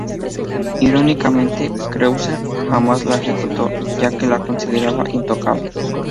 Irónicamente, Kreutzer jamás la ejecutó, ya que la consideraba "intocable".